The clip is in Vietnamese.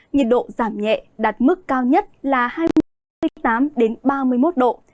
nhiệt độ giảm nhẹ đạt mức cao nhất là hai mươi tám ba mươi một độ